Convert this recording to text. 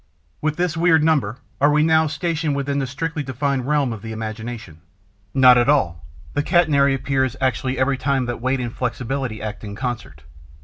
With this weird number are we now stationed within the strictly defined realm of the imagination? Not at all: the catenary appears actually every time that weight and flexibility act in concert.